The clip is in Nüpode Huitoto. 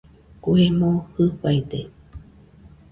Kue moo Jɨfaide